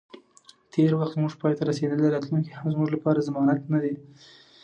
تیر وخت زمونږ پای ته رسیدلی، راتلونی هم زموږ لپاره ضمانت نه دی